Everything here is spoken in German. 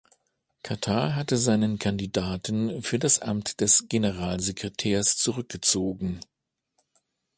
Katar hatte seinen Kandidaten für das Amt des Generalsekretärs zurückgezogen.